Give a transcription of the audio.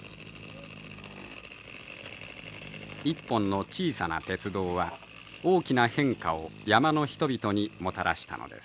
一本の小さな鉄道は大きな変化を山の人々にもたらしたのです。